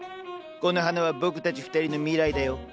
この花は僕たち２人の未来だよ。